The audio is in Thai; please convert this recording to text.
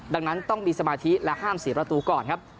ดังนั้นต้องมีสมาธิและห้ามเสียประตูก่อนครับ